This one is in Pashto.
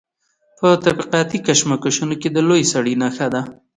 په طبقاتي کشمکشونو کې د لوی سړي نښه ده.